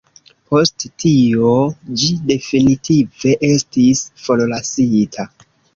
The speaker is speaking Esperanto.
Post tio ĝi definitive estis forlasita.